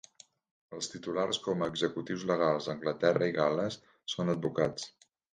Els titulats com a executius legals a Anglaterra i Gal·les són advocats.